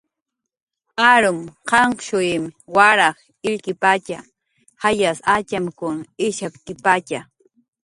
Arum qanqshuym waraj illkipatxa, jayas atxamkun ishapkipatxa